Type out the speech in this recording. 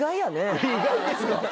意外ですか？